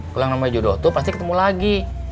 kalau yang namanya jodoh tuh pasti ketemu lagi